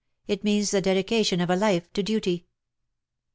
It means the dedication of a life to duty."